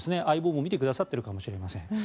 「相棒」も見てくださっているかもしれません。